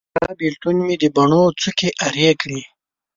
ستا بیلتون مې د بڼو څوکي ارې کړې